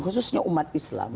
khususnya umat islam